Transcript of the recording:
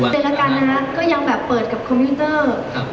อย่างไรกันนะครับก็ยังเปิดกับคอมพิวเตอร์